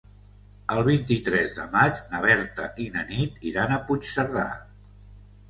El vint-i-tres de maig na Berta i na Nit iran a Puigcerdà.